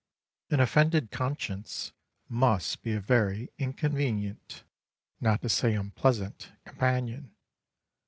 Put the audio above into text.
An offended conscience must be a very inconvenient, not to say unpleasant, companion.